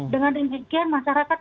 dengan demikian masyarakat